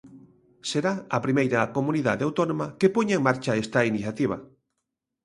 Será a primeira comunidade autónoma que poña en marcha esta iniciativa.